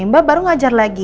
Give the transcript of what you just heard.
mbak baru ngajar lagi